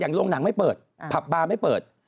อย่างโรงหนังไม่เปิดผับบาไม่เปิด